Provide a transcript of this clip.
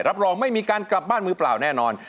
รับรองไม่มีการกลับบ้านมือเปล่าแน่นอน